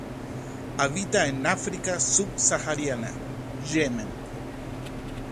Habita en África Sub-sahariana, Yemen.